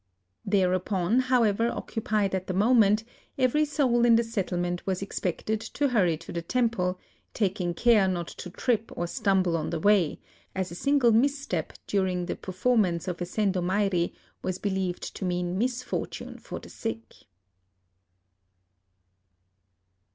Thereupon, however occupied at the moment, every soul in the settlement was expected to hurry to the temple, — taking care not to trip or stumble on the way, as a single misstep during the performance of a sendo mairi was believed to mean misfortune for the sick.